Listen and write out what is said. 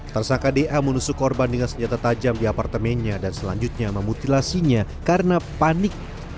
tersangka da menusuk korban dengan senjata tajam di apartemennya dan selanjutnya memutilasinya karena panik